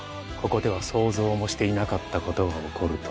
ここでは想像もしていなかったことが起こると。